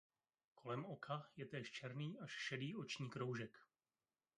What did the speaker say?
Kolem oka je též černý až šedý oční kroužek.